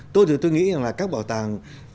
tôi nghĩ là các bảo tàng